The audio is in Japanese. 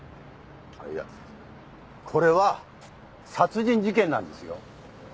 いやこれは殺人事件なんですよ。